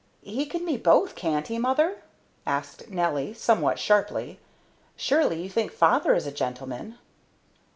"He can be both, can't he, mother?" asked Nelly, somewhat sharply. "Surely you think father is a gentleman."